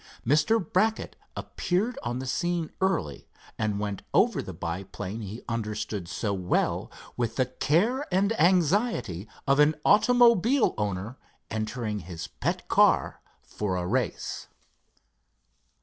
Mr. Brackett appeared on the scene early, and went over the biplane he understood so well with the care and anxiety of an automobile owner entering his pet car for a race.